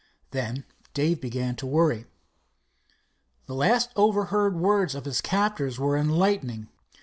Then Dave began to worry. The last overheard words of his captors were enlightening.